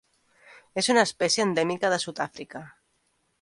És una espècie endèmica de Sud-àfrica.